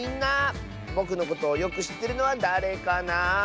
ぼくのことをよくしってるのはだれかなあ。